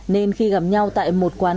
nên khi gặp nhau tại một quận